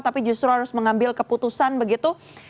tapi justru harus mengambil keputusan begitu